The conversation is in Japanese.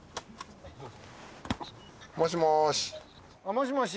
もしもし。